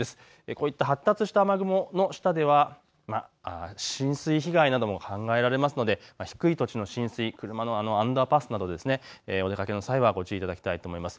こういった発達した雨雲の下では浸水被害なども考えられるので低い土地の浸水、車のアンダーパスなどお出かけの際はご注意いただきたいと思います。